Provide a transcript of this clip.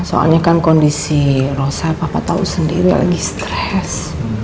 soalnya kan kondisi rosa papa tau sendiri lagi stress